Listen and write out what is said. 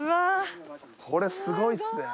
これすごいですね。